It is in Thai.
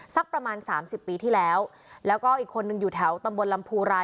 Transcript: สักประมาณสามสิบปีที่แล้วแล้วก็อีกคนนึงอยู่แถวตำบลลำพูราย